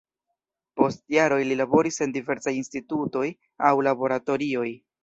Post jaroj li laboris en diversaj institutoj aŭ laboratorioj.